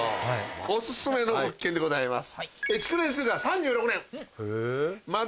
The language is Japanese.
オススメの物件でございます。